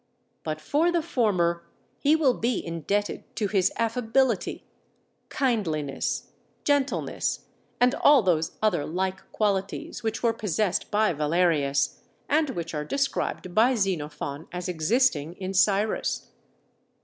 But for the former he will be indebted to his affability, kindliness, gentleness, and all those other like qualities which were possessed by Valerius, and which are described by Xenophon as existing in Cyrus.